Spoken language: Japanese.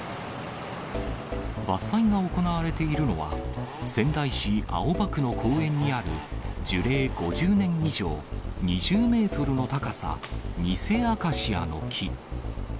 伐採が行われているのは、仙台市青葉区の公園にある、樹齢５０年以上、２０メートルの高さ、ニセアカシアの木。